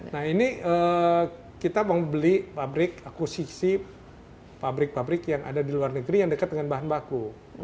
nah ini kita mau beli pabrik akusisi pabrik pabrik yang ada di luar negeri yang dekat dengan bahan baku